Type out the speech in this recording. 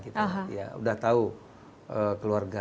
sudah tahu keluarga